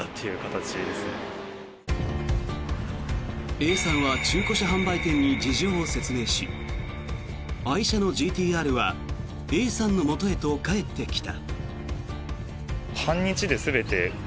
Ａさんは中古車販売店に事情を説明し愛車のＧＴ−ＲはＡさんのもとへと帰ってきた。